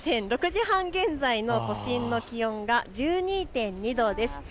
６時半現在の都心の気温が１２．２度です。